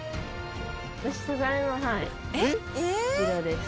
こちらです。